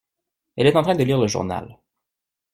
Elle est en train de lire le journal.